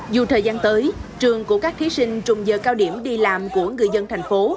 dù thời gian tới trường của các thí sinh trùng giờ cao điểm đi làm của người dân thành phố